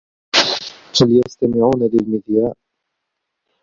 هم يستمعون للمذياع.